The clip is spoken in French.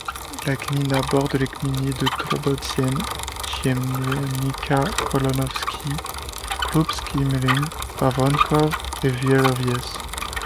La gmina borde les gminy de Dobrodzień, Jemielnica, Kolonowskie, Krupski Młyn, Pawonków et Wielowieś.